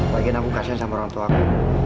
lagian aku kasian sama orangtuaku